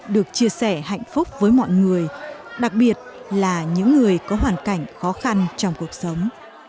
được chia sẻ hạnh phúc với mọi người đặc biệt là những người có hoàn cảnh khó khăn trong cuộc sống